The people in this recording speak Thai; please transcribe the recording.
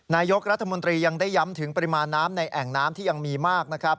นายกรัฐมนตรียังได้ย้ำถึงปริมาณน้ำในแอ่งน้ำที่ยังมีมากนะครับ